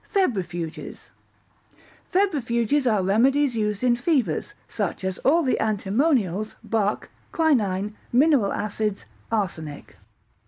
Febrifuges Febrifuges are remedies used in fevers, such as all the antimonials, bark, quinine, mineral acids, arsenic.